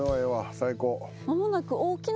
最高。